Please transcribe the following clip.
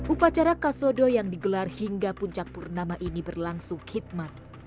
upacara kasodo yang digelar hingga puncak purnama ini berlangsung khidmat